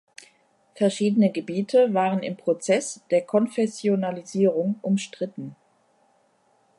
Verschiedene Gebiete waren im Prozess der Konfessionalisierung umstritten.